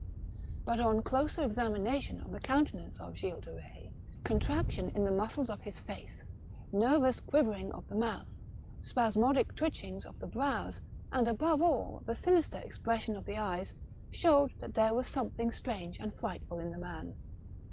But on closer examination of the countenance of Gilles de Betz, contraction in the muscles of the face, nervous quivering of the mouth, spasmodic twitchings of the brows, and above all, the sinister expression of the eyes, showed that there was something strange and frightful in the man.